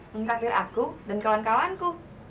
mengkafir aku dan kawan kawanku